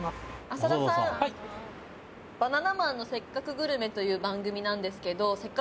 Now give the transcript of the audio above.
浅田さん「バナナマンのせっかくグルメ！！」という番組なんですけどおっ！